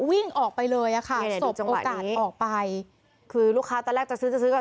วิ่งออกไปเลยอ่ะค่ะสบโอกาสออกไปคือลูกค้าตอนแรกจะซื้อจะซื้อกัน